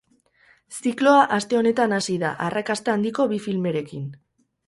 Zikloa aste honetan hasi da arrakasta handiko bi filmerekin.